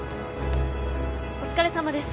お疲れさまです。